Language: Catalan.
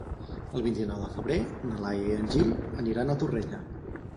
El vint-i-nou de febrer na Laia i en Gil aniran a Torrella.